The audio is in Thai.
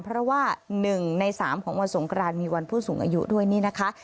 เพราะว่า๑ใน๓ของวันสงครานมีวันผู้สูงอายุด้วยนี่นะคะ